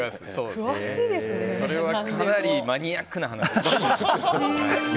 それはかなりマニアックな話。